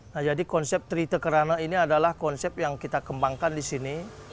nah jadi konsep trihite kerana ini adalah konsep yang kita kembangkan disini